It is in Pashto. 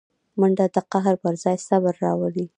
منډه د قهر پر ځای صبر راولي